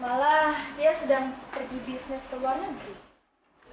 malah dia sedang pergi bisnis ke luar negeri